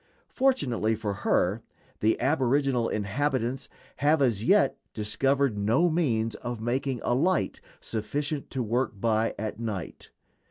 Fortunately for her the aboriginal inhabitants have as yet discovered no means of making a light sufficient to work by at night.